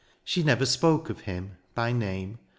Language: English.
She never spoke of him, by name.